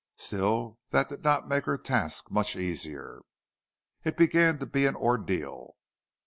Still that did not make her task much easier. It began to be an ordeal.